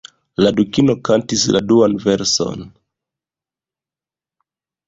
La Dukino kantis la duan verson.